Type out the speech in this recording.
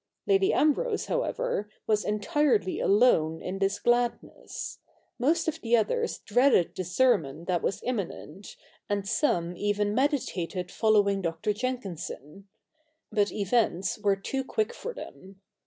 Lady Ambrose, however, was entirely alone in this gladness. Most of the others dreaded the sermon that was immi nent, and some even meditated following Dr. Jenkinson. But events were too quick for them.